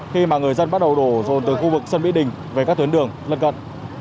khi mà người dân bắt đầu đổ rồn từ khu vực sân mỹ đình về các tuyến đường lân cận